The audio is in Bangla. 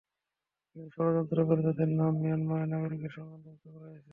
কিন্তু ষড়যন্ত্র করে তাঁদের নাম মিয়ানমারের নাগরিকদের সঙ্গে অন্তর্ভুক্ত করা হয়েছে।